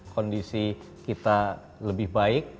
kondisi kita lebih baik